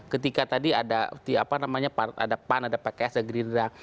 ketika tadi ada apa namanya ada pan ada pks dan gini gini